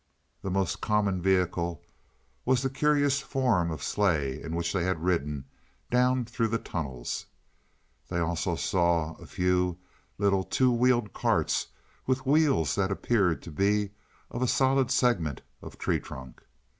The most common vehicle was the curious form of sleigh in which they had ridden down through the tunnels. They saw also a few little two wheeled carts, with wheels that appeared to be a solid segment of tree trunk.